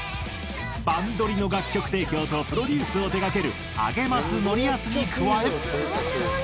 『バンドリ！』の楽曲提供とプロデュースを手がける上松範康に加え。